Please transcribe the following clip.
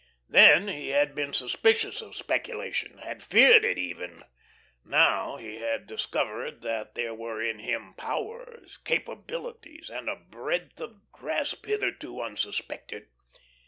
Then he had been suspicious of speculation, had feared it even. Now he had discovered that there were in him powers, capabilities, and a breadth of grasp hitherto unsuspected.